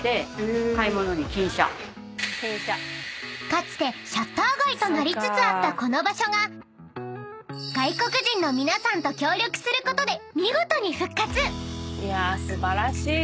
［かつてシャッター街となりつつあったこの場所が外国人の皆さんと協力することで見事に］